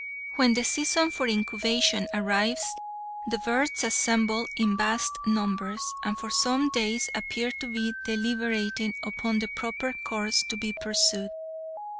When the season for incubation arrives, the birds assemble in vast numbers, and for some days appear to be deliberating upon the proper course to be pursued.